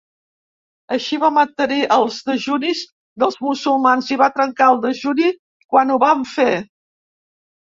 Així, va mantenir els dejunis dels musulmans i va trencar el dejuni quan ho van fer.